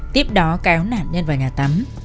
tiếp đó kéo nạn nhân vào nhà tắm